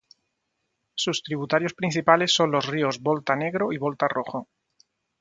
Sus tributarios principales son los ríos Volta Negro y Volta Rojo.